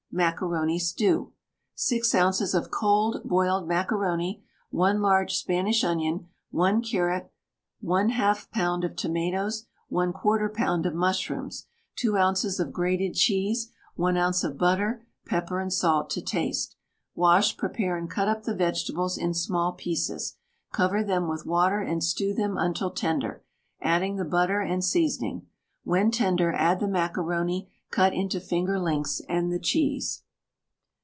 MACARONI STEW. 6 oz. of cold boiled macaroni, 1 large Spanish onion, 1 carrot, 1/2 lb. of tomatoes, 1/4 lb. of mushrooms, 2 oz. of grated cheese, 1 oz. of butter, pepper and salt to taste. Wash, prepare, and cut up the vegetables in small pieces. Cover them with water and stew them until tender, adding the butter and seasoning. When tender add the macaroni cut into finger lengths, and the cheese.